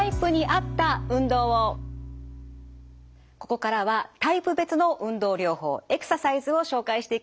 ここからはタイプ別の運動療法エクササイズを紹介していきます。